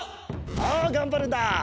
さあがんばるんだ！